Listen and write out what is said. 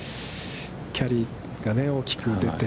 キャリーがね、大きく出て。